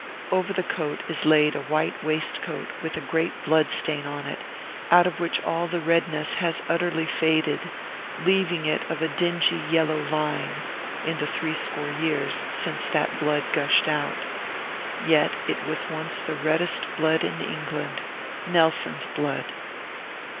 Over the coat is laid a white waistcoat with a great blood stain on it, out of which all the redness has utterly faded, leaving it of a dingy yellow line, in the threescore years since that blood gushed out. Yet it was once the reddest blood in England, Nelson's blood!